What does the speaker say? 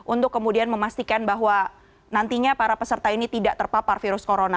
untuk kemudian memastikan bahwa nantinya para peserta ini tidak terpapar virus corona